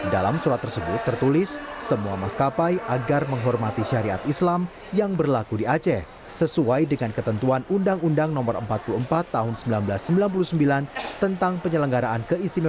dalam surat tersebut tertulis